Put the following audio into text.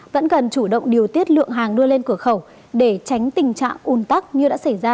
vẫn cần chủ động điều tiết lượng hàng đưa lên cửa khẩu để tránh tình trạng un tắc như đã xảy ra